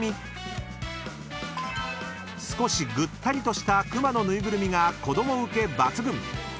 ［少しぐったりとした熊の縫いぐるみが子供ウケ抜群］